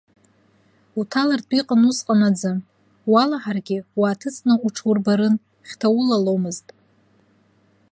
Уҭалартә иҟан усҟан аӡы, уалаҳаргьы уааҭыҵны уҽурбарын, хьҭа улаломызт.